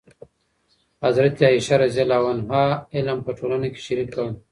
حضرت عایشه رضي الله عنها علم په ټولنه کې شریک کړ.